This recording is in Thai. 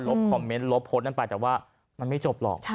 คอมเมนต์ลบโพสต์นั้นไปแต่ว่ามันไม่จบหรอก